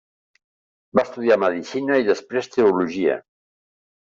Va estudiar medicina i després teologia.